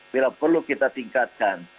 bila perlu kita tingkatkan